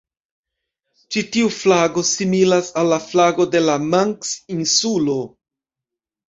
Ĉi tiu flago similas al la flago de la Manks-insulo.